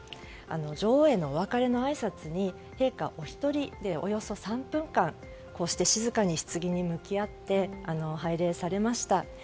女王へのお別れのあいさつに陛下お一人で、およそ３分間こうして静かにひつぎに向き合って拝礼されました。